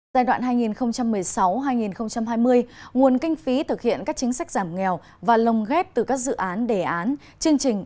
giai đoạn hai nghìn một mươi sáu hai nghìn hai mươi nguồn kinh phí thực hiện các chính sách giảm nghèo và lồng ghép từ các dự án đề án chương trình